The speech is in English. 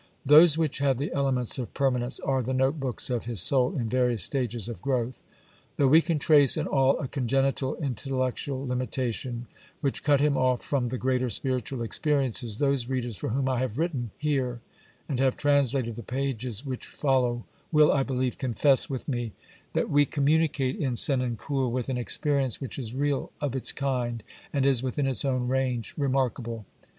Those which have the elements of per manence are the note books of his soul in various stages of growth. Though we can trace in all a congenital intel lectual limitation which cut him off from the greater spiritual experiences, those readers for whom I have written here and have translated the pages which follow will, I believe, confess with me that we communicate in Senan cour with an experience which is real of its kind and is, within its own range, remarkable.